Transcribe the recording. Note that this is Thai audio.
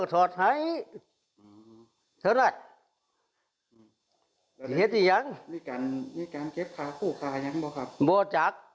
โปรดสัตว์ฮะ